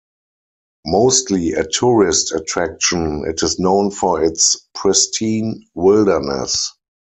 Mostly a tourist attraction, it is known for its pristine wilderness.